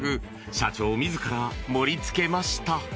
社長自ら盛り付けました。